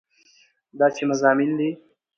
دا چې مضامين دي